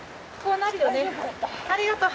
ありがとう。